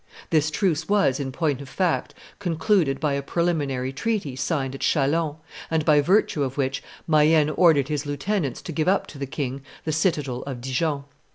This truce was, in point of fact, concluded by a preliminary treaty signed at Chalons, and by virtue of which Mayenne ordered his lieutenants to give up to the king the citadel of Dijon.